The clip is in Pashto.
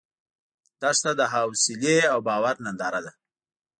دښته د حوصله او باور ننداره ده.